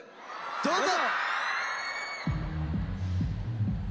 どうぞ。